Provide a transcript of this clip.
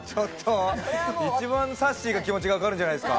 一番、さっしーが気持ち分かるんじゃないですか？